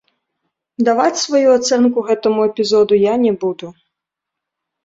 Даваць сваю ацэнку гэтаму эпізоду я не буду.